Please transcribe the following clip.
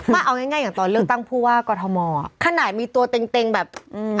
เอาง่ายง่ายอย่างตอนเลือกตั้งผู้ว่ากอทมอ่ะขนาดมีตัวเต็งเต็งแบบอืม